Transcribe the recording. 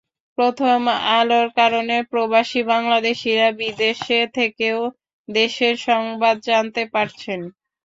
প্রথম আলোর কারণে প্রবাসী বাংলাদেশিরা বিদেশে থেকেও দেশের সংবাদ জানতে পারছেন।